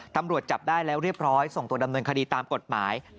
ตำรวจจับได้แล้วเรียบร้อยส่งตัวดำเนินคดีตามกฎหมาย